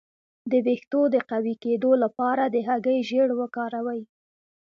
د ویښتو د قوي کیدو لپاره د هګۍ ژیړ وکاروئ